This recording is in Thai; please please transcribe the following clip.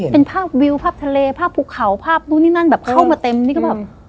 เป็นภาพวิวภาพทะเลภาพภูเขาภาพนู่นนี่นั่นแบบเข้ามาเต็มนี่ก็แบบ